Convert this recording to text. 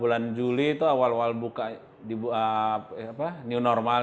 bulan juli itu awal awal buka new normal